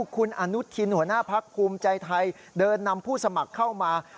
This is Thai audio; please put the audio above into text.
คุณอนุทินหัวหน้าพักภูมิใจไทยเดินนำผู้สมัครเข้ามา